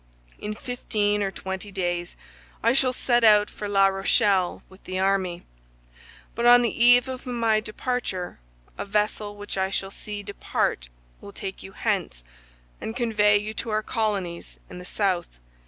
In fifteen or twenty days I shall set out for La Rochelle with the army; but on the eve of my departure a vessel which I shall see depart will take you hence and convey you to our colonies in the south.